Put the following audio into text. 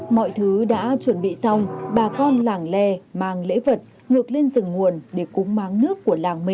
mọi thứ đã chuẩn bị xong bà con làng lè mang lễ vật ngược lên rừng nguồn để cúng máng nước